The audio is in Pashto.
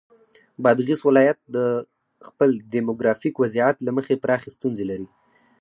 بادغیس ولایت د خپل دیموګرافیک وضعیت له مخې پراخې ستونزې لري.